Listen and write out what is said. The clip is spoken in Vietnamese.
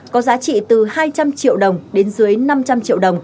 có giá trị từ hai trăm linh triệu đồng đến dưới năm trăm linh triệu đồng